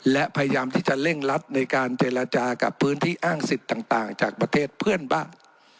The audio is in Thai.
และพยายามที่จะเร่งรัดในการเจรจากับพื้นที่อ้างสิทธิ์ต่างจากประเทศเพื่อนบ้าน